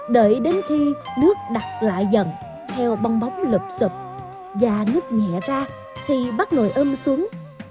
đợi đến khi nước đặt lại dần heo bong bóng lụp sụp da nước nhẹ ra thì bắt nồi ưm xuống